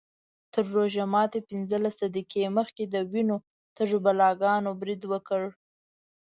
تر روژه ماتي پینځلس دقیقې مخکې د وینو تږو بلاګانو برید وکړ.